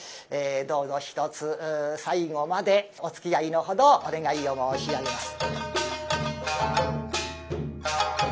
どうぞひとつ最後までおつきあいのほどお願いを申し上げます。